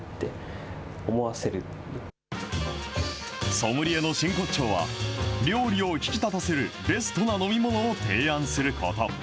ソムリエの真骨頂は、料理を引き立たせるベストな飲み物を提案すること。